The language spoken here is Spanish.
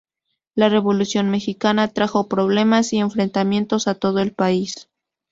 La Revolución mexicana trajo problemas y enfrentamientos a todo el país.